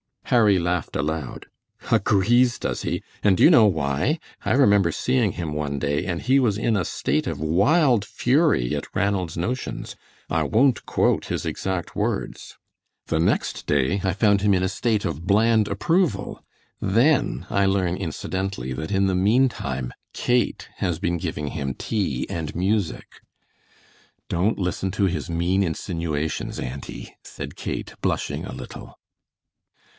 Harry laughed aloud. "Agrees, does he? And do you know why? I remember seeing him one day, and he was in a state of wild fury at Ranald's notions. I won't quote his exact words. The next day I found him in a state of bland approval. Then I learn incidentally that in the meantime Kate has been giving him tea and music." "Don't listen to his mean insinuations, auntie," said Kate, blushing a little.